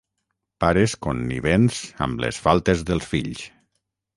Pares connivents amb les faltes dels fills.